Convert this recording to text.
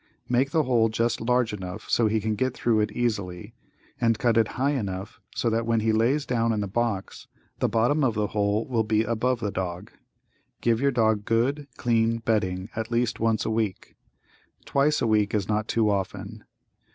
Make the hole just large enough so he can get thru it easily, and cut it high enough so that when he lays down in the box, the bottom of the hole will be above the dog. Give your dog good, clean bedding at least once a week. Twice a week is not too often.